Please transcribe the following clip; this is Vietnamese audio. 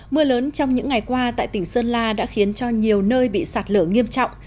mưa lớn trong những ngày qua tại tỉnh sơn la đã khiến cho nhiều nơi bị sạt lở nghiêm trọng